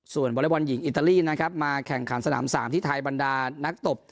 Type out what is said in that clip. ส่วนวอเล็กบอลหญิงอิตาลีนะครับมาแข่งขันสนาม๓ที่ไทยบรรดานักตบ